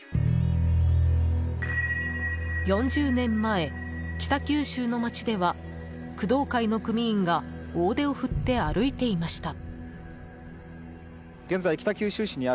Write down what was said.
４０年前、北九州の街では工藤会の組員が大手を振って歩いていました。